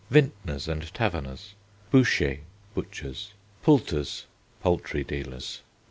Vintners and taverners. Bouchers (butchers). Pulters (poultry dealers).